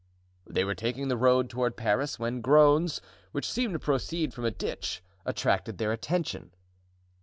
They were taking the road toward Paris, when groans, which seemed to proceed from a ditch, attracted their attention.